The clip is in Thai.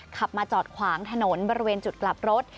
ขับมาจอดขวางถนนบริเวณจุดกลับรถ